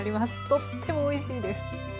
とってもおいしいです。